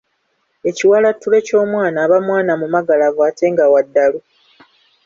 Ekiwalattule ky'omwana aba mwana mumagalavu ate nga wa ddalu.